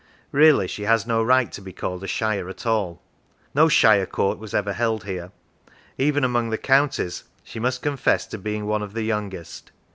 Really, she has no right to be called a shire at all. No shire court was ever held here. Even among the counties she must confess to being one of the youngest.